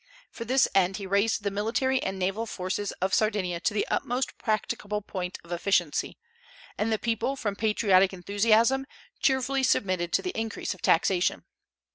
For this end he raised the military and naval forces of Sardinia to the utmost practicable point of efficiency; and the people from patriotic enthusiasm, cheerfully submitted to the increase of taxation.